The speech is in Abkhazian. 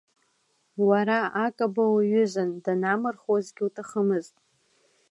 Уара Акаба уиҩызан, данамырхуазгьы уҭахымызт.